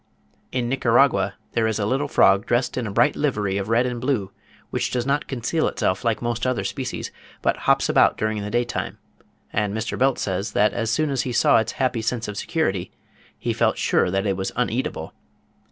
In Nicaragua there is a little frog "dressed in a bright livery of red and blue" which does not conceal itself like most other species, but hops about during the daytime, and Mr. Belt says (46. 'The Naturalist in Nicaragua,' 1874, p. 321.) that as soon as he saw its happy sense of security, he felt sure that it was uneatable.